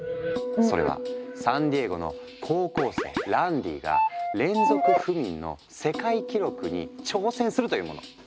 それはサンディエゴの高校生ランディが連続不眠の世界記録に挑戦するというもの。